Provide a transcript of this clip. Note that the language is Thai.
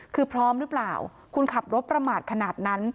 คือพร้อมหรือเปล่าคุณขับรถประมาทขนาดนั้น